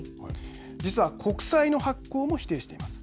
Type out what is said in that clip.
実は国債の発行も否定しています。